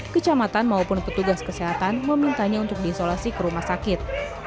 kecamatan maupun petugas kesehatan memintanya untuk diisolasi ke rumah sakit